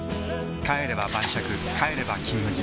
帰れば晩酌帰れば「金麦」